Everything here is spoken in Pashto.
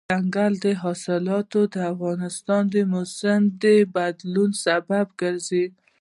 دځنګل حاصلات د افغانستان د موسم د بدلون سبب کېږي.